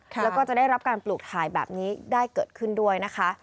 แล้วก็จะได้รับการปลูกถ่ายแบบนี้ได้เกิดขึ้นด้วยนะคะ